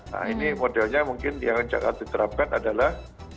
nah ini modelnya mungkin yang akan dikerapkan adalah